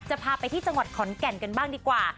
พาไปที่จังหวัดขอนแก่นกันบ้างดีกว่า